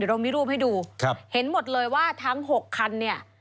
เรามีรูปให้ดูครับเห็นหมดเลยว่าทั้ง๖คันเนี่ย